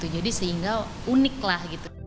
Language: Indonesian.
jadi sehingga unik lah